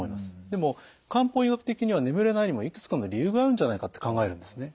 でも漢方医学的には眠れないにもいくつかの理由があるんじゃないかって考えるんですね。